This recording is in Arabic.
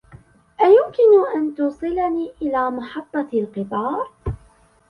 أيمكنك أن توصلني إلى محطة القطار ؟